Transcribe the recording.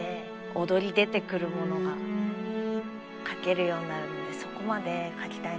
躍り出てくるものが描けるようになるまでそこまで描きたいなあと思って。